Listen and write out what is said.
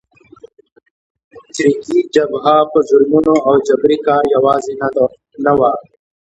چریکي جبهه په ظلمونو او جبري کار کې یوازې نه وه.